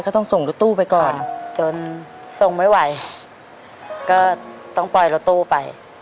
ต้องส่งรถตู้ไปก่อนจนส่งไม่ไหวก็ต้องปล่อยรถตู้ไป